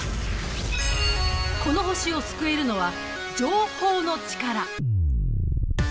この星を救えるのは情報のチカラ。